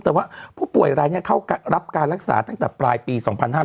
แต่ว่าผู้ป่วยอะไรเขาก็รับการรักษาตั้งแต่ปลายปี๒๕๖๓